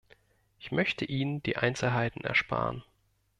Ich möchte Ihnen die Einzelheiten ersparen.